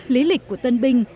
lý lịch của tân binh